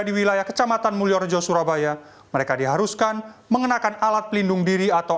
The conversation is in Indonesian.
di wilayah kecamatan mulyorejo surabaya mereka diharuskan mengenakan alat pelindung diri atau